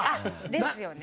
ですよね。